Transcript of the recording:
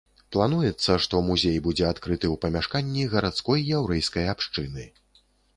Плануецца, што музей будзе адкрыты ў памяшканні гарадской яўрэйскай абшчыны.